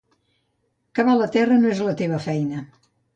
Cavar la terra no és la teva feina.